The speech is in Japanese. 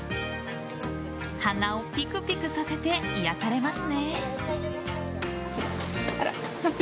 鼻をピクピクさせて癒やされますね。